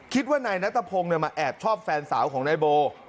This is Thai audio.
คิดว่านายนัทพงศ์มาแอบชอบแฟนสาวของนายโบ